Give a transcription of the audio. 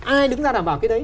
ai đứng ra đảm bảo cái đấy